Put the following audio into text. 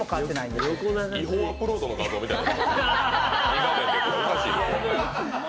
違法アップロードの画像みたいになってるよ。